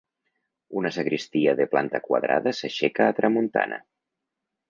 Una sagristia de planta quadrada s'aixeca a tramuntana.